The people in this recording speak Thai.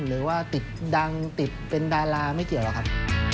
หรือว่าติดดังติดเป็นดาราไม่เกี่ยวหรอกครับ